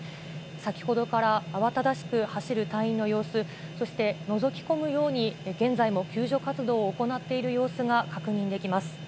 先ほどから慌ただしく走る隊員の様子、そして、のぞき込むように、現在も救助活動を行っている様子が確認できます。